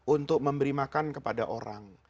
untuk memberi makan kepada orang